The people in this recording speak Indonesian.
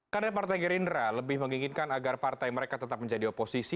karena partai gerindra lebih menginginkan agar partai mereka tetap menjadi oposisi